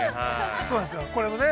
◆そうなんですよ、これもね。